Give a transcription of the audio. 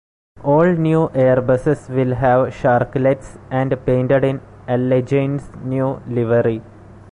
All new Airbuses will have sharklets and painted in Allegaint's new livery.